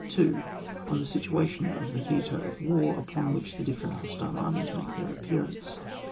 2. On the situation of the theatre of war upon which the different hostile armies make their appearance.